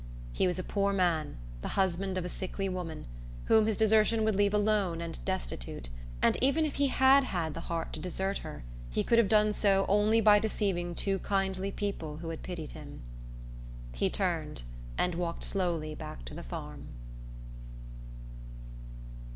He was a poor man, the husband of a sickly woman, whom his desertion would leave alone and destitute; and even if he had had the heart to desert her he could have done so only by deceiving two kindly people who had pitied him. He turned and walked slowly back to the farm.